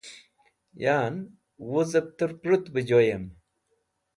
Yan, Wuzep terpurut be Joyem